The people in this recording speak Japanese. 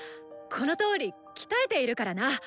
このとおり鍛えているからな。